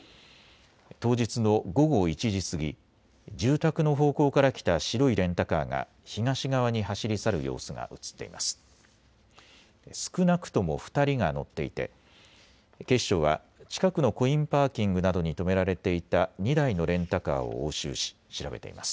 当日の午後１時過ぎ、住宅の方向から来た白いレンタカーが東側に走り去る様子が写っています。